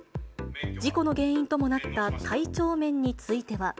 事故の原因ともなった体調面については。